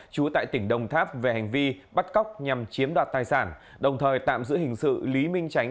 chú tại tỉnh đồng tháp về hành vi bắt cóc nhằm chiếm đoạt tài sản đồng thời tạm giữ hình sự lý minh tránh